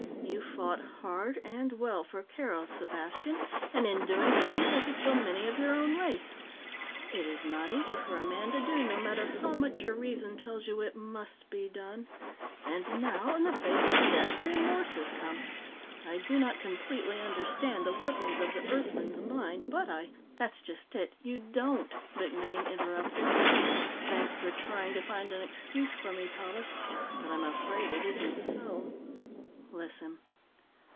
You fought hard and well for Keroth, Sepastian, and, in doing so, you had to kill many of your own race. It is not easy for a man to do, no matter how much your reason tells you it must be done. And now, in the face of death, remorse has come. I do not completely understand the workings of the Earthman's mind, but I ""That's just it; you don't," MacMaine interrupted. "Thanks for trying to find an excuse for me, Tallis, but I'm afraid it isn't so. Listen.